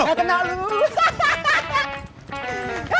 saya kena lo dulu